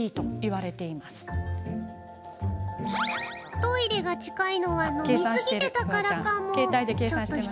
トイレが近いのは飲みすぎてたからかも。